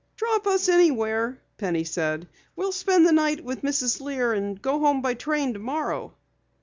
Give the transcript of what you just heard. "Drop us anywhere," Penny said. "We'll spend the night with Mrs. Lear and go home by train tomorrow."